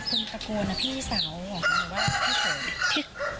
แค่เป็นคนตะโกนะพี่สาวหรือว่าพี่เขย